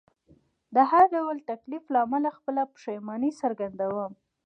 د هر ډول تکلیف له امله خپله پښیماني څرګندوم.